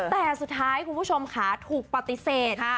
แต่สุดท้ายคุณผู้ชมค่ะถูกปฏิเสธ